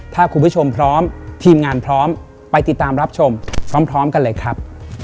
ถ้าคุณผู้ชมพร้อมทีมงานพร้อมไปติดตามรับชมพร้อมกันเลยครับ